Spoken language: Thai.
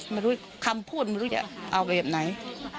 คำพูดมาถามคำพูดเอาไปแหละไหน